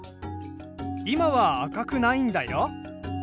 今は赤くないんだよ。